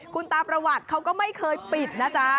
คุณตาประวัติเขาก็ไม่เคยปิดนะจ๊ะ